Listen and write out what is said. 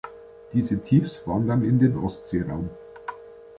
Diese Tiefs wandern in den Ostseeraum.